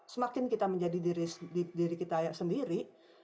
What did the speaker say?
semakin kita menjadi diri kita sendiri